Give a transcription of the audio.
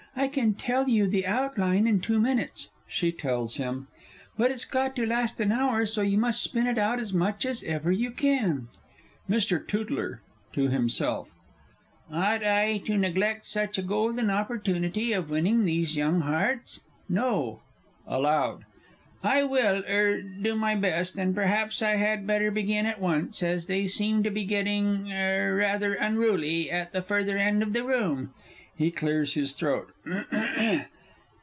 I can tell you the outline in two minutes. (She tells him.) But it's got to last an hour, so you must spin it out as much as ever you can. MR. TOOTLER (to himself). Ought I to neglect such a golden opportunity of winning these young hearts? No. (Aloud.) I will er do my best, and perhaps I had better begin at once, as they seem to be getting er rather unruly at the further end of the room. (_He clears his throat.